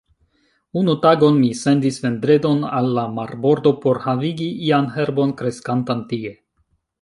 Unu tagon mi sendis Vendredon al la marbordo por havigi ian herbon kreskantan tie.